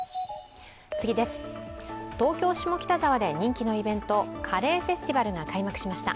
東京・下北沢で人気のイベント、カレーフェスティバルが開幕しました。